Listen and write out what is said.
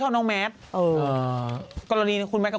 อารมณ์ก็ไม่ชอบ